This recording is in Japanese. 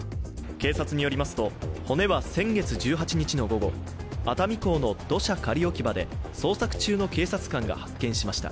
警察によりますと骨は先月１８日の夜熱海港の土砂仮置き場で捜索中の警察官が発見しました。